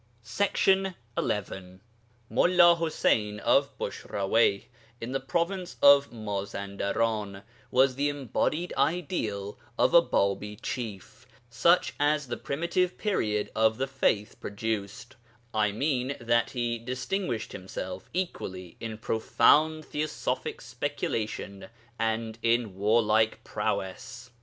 MULLĀ ḤUSEYN OF BUSHRAWEYH Mullā Ḥuseyn of Bushraweyh (in the province of Mazarandan) was the embodied ideal of a Bābī chief such as the primitive period of the faith produced I mean, that he distinguished himself equally in profound theosophic speculation and in warlike prowess.